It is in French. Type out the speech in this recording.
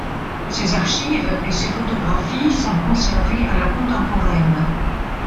Ses archives et ses photographies sont conservées à La contemporaine.